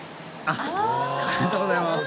ありがとうございます。